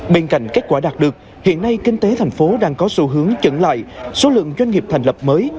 bên cạnh kết quả đạt được hiện nay kinh tế thành phố đang có xu hướng chứng lại số lượng doanh nghiệp thành lập mới